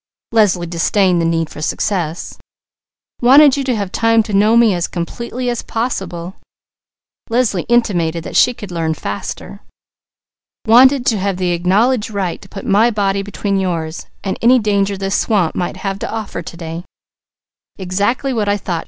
Leslie disdained the need for success. "Wanted you to have time to know me as completely as possible." Leslie intimated that she could learn faster. "Wanted to have the acknowledged right to put my body between yours and any danger this swamp might have to offer to day." "Exactly what I thought!"